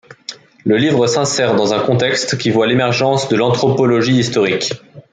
Le livre s'insère dans un contexte qui voit l'émergence de l'anthropologie historique.